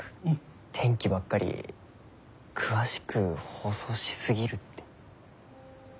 天気ばっかり詳しく放送しすぎるって。え？